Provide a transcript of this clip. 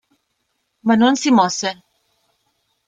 Ma non si mosse.